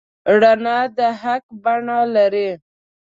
رڼا د حق بڼه لري.